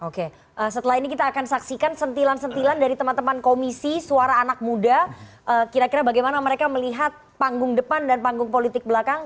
oke setelah ini kita akan saksikan sentilan sentilan dari teman teman komisi suara anak muda kira kira bagaimana mereka melihat panggung depan dan panggung politik belakang